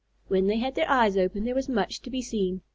When they had their eyes open there was much to be seen.